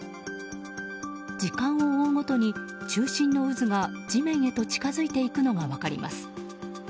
時間を追うごとに、中心の渦が地面へと近づいていくのが分かります。